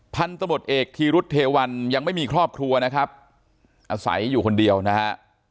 พันธมตเอกธีรุษเทวันยังไม่มีครอบครัวนะครับอาศัยอยู่คนเดียวนะฮะ